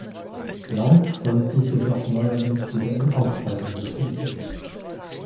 Laut soll es sich jedoch neuerdings wieder in Ausbreitung befinden.